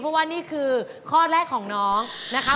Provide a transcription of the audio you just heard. เพราะว่านี่คือข้อแรกของน้องนะคะ